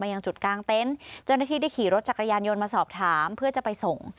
มายังจุดกางเต้นจนที่ได้ขี่รถจักรยานยนต์มาสอบถามเพื่อจะไปส่ง